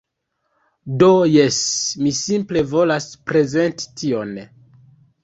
Do jes, mi simple volas prezenti tion.